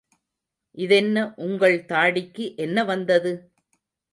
இதென்ன உங்கள் தாடிக்கு என்ன வந்தது?